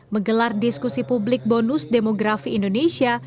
menggelar diskusi publik bonus demografi indonesia